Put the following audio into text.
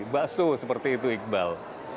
bakso seperti itu iqbal